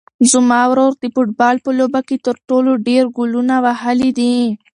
زما ورور د فوټبال په لوبه کې تر ټولو ډېر ګولونه وهلي دي.